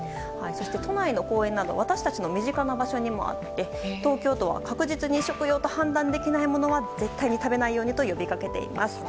都内の公園など私たちの身近な場所にもあって東京都は、確実に食用と判断できないものは絶対に食べないようにと呼びかけています。